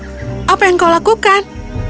oh apa yang kau lakukan